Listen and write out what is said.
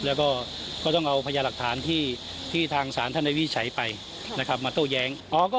แล้วก็ก็ต้องเอาพญาหลักฐานที่ทางศาลท่านได้วิจัยไปนะครับมาโต้แย้ง